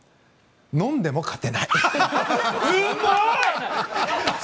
飲んでも勝てない。